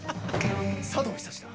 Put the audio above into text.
佐藤久志だ。